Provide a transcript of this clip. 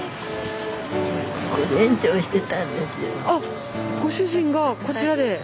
あっご主人がこちらで？